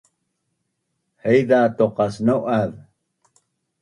Haiza qodacnau’az